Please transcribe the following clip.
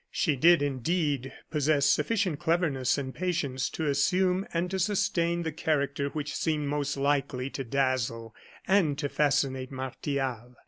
She did, indeed, possess sufficient cleverness and patience to assume and to sustain the character which seemed most likely to dazzle and to fascinate Martial.